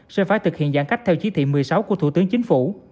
sẽ phải thực hiện giãn cách theo chí thị một mươi sáu của thủ tướng chính phủ